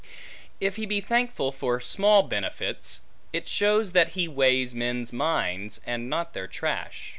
If he be thankful for small benefits, it shows that he weighs men's minds, and not their trash.